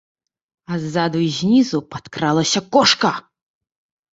А ззаду і знізу падкрадалася кошка.